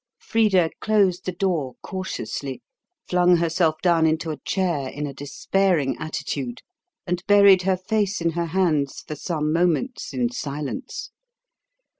Frida closed the door cautiously, flung herself down into a chair in a despairing attitude, and buried her face in her hands for some moments in silence.